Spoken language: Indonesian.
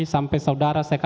sampai saudara terdakwa